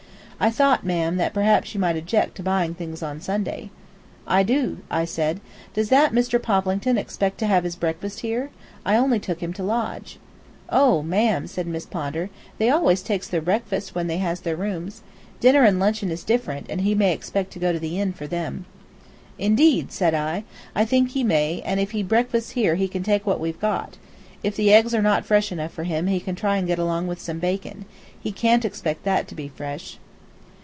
"I thought, ma'am, that perhaps you might object to buying things on Sunday." "I do," I said. "Does that Mr. Poplington expect to have his breakfast here? I only took him to lodge." "Oh, ma'am," said Miss Pondar, "they always takes their breakfasts where they has their rooms. Dinner and luncheon is different, and he may expect to go to the inn for them." "Indeed!" said I. "I think he may, and if he breakfasts here he can take what we've got. If the eggs are not fresh enough for him he can try to get along with some bacon. He can't expect that to be fresh."